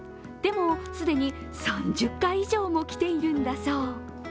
でも、既に３０回以上も来ているんだそう。